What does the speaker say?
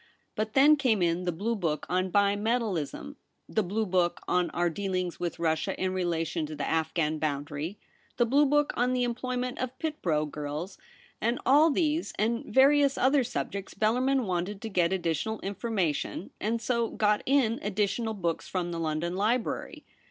But then came In the blue book on bi metallism ; the blue book on our dealings with Russia In relation I90 THE REBEL ROSE. to the Afghan Boundary ; the blue book on the employment of pit brow girls ; and on all these and various other subjects Bellarmin wanted to get additional information, and so orot in additional books from the London o Library.